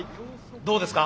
どうですか？